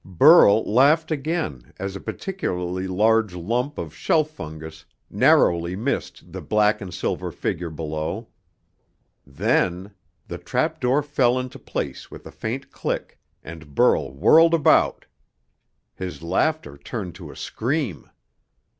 Burl laughed again as a particularly large lump of shelf fungus narrowly missed the black and silver figure below. Then The trap door fell into place with a faint click, and Burl whirled about. His laughter turned to a scream.